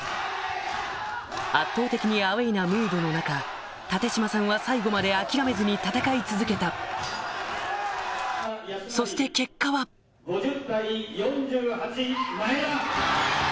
圧倒的にアウェーなムードの中立嶋さんは最後まで諦めずに戦い続けたそして結果はでも。